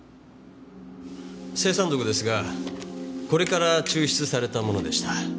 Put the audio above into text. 青酸毒ですがこれから抽出されたものでした。